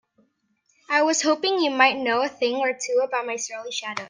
I was hoping you might know a thing or two about my surly shadow?